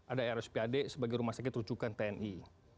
ada rspad sebagai rumah sakit rujukan tni